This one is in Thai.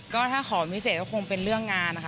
ก็ถ้าขอพิเศษก็คงเป็นเรื่องงานนะคะ